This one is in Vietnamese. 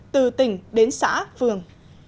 từ tỉnh đến xã phường